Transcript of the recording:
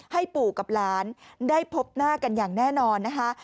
ให้ปู่กับหลานได้พบหน้ากันอย่างแน่นอนนะคะ